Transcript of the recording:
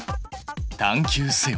探究せよ。